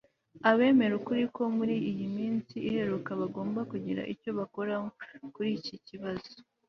abemera ukuri ko muri iyi minsi iheruka bagomba kugira icyo bakora kur'iki kibazo